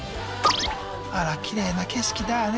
あらきれいな景色だあね。